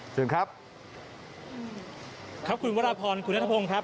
เชิญครับครับคุณวรพรคุณนัทพงศ์ครับ